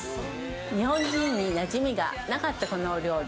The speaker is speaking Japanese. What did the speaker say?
日本人になじみがなかったこの料理。